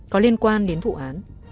có liên quan đến vụ án